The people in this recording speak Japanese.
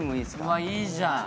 うわいいじゃん！